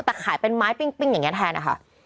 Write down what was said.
แต่ขายเป็นไม้ปิ้งอย่างนี้แทนนะคะ